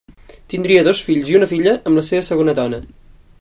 Tindria dos fills i una filla amb la seva segona dona.